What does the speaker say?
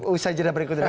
usaha jenah berikutnya